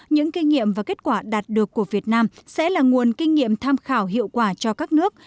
những kinh nghiệm và kết quả đạt được của việt nam sẽ là nguồn kinh nghiệm tham khảo hiệu quả cho các nước